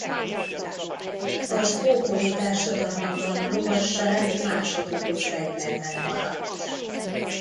Az ókori társadalmakban a lovasság másodlagos fegyvernem maradt.